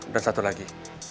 dan satu lagi